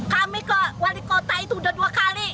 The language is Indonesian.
kami ke wali kota itu udah dua kali